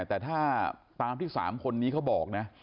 แต่ถ้าปุ่งมาที่๓คนนี้เขาบอก